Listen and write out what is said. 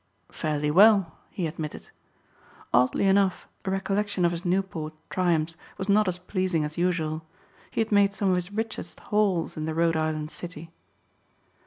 "Fairly well," he admitted. Oddly enough the recollection of his Newport triumphs was not as pleasing as usual. He had made some of his richest hauls in the Rhode Island city.